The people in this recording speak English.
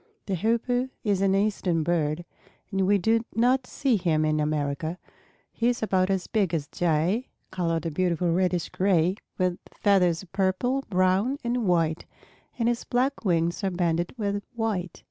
The Hoopoe is an Eastern bird and we do not see him in America. He is about as big as a Jay, colored a beautiful reddish gray, with feathers of purple, brown, and white, and his black wings are banded with white.